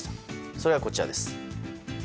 それが、こちらです。